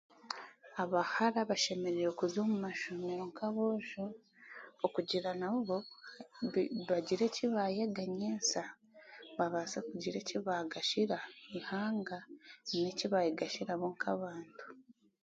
Abahara bashemereire kuza omu mashomero nk'aboojo okugira nabo bi bagire ekibaayega nyesya baase kugira ekibaagasira eihanga nainga eki baayegasira bo nk'abantu